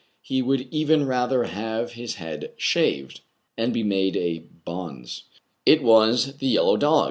He would even rather have his head shaved, and be made a bonze. It was the yellow dog